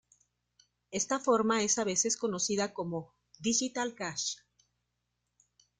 Esta forma es a veces conocida como "Digital Cash".